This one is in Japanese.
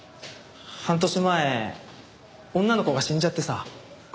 半年前女の子が死んじゃってさ。